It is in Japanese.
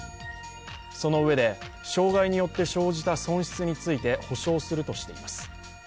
そのうえで、障害によって生じた損失について補償するとしています。